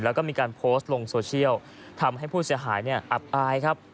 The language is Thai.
แล้วก็มีการโพสต์ลงโซเชียลทำให้ผู้เสียหายอับอายครับ